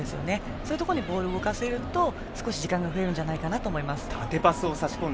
そういうところにボールを動かせると少し時間が増えると思います。